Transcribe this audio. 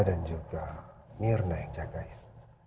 dan juga mirna yang jagain